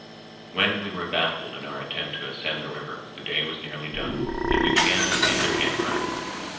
When we were baffled in our attempt to ascend the river, the day was nearly done, and we began to seek a camp ground.